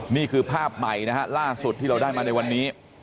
นี่คือภาพใหม่นะฮะล่าสุดที่เราได้มาในวันนี้